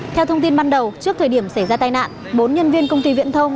theo thông tin ban đầu trước thời điểm xảy ra tai nạn bốn nhân viên công ty viễn thông